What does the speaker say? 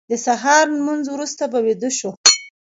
د سهار لمونځ وروسته به ویده شو.